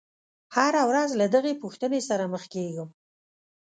هره ورځ له دغې پوښتنې سره مخ کېږم.